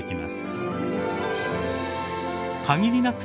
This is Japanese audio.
限りなく